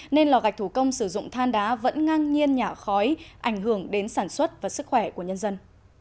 nên lò gạch thủ công sử dụng than đá vẫn ngang nhiên nhả khói ảnh hưởng đến sản xuất và sức khỏe của nhân dân